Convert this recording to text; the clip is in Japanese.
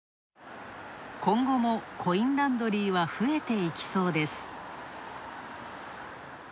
今後もコインランドリーは増えていきそうです。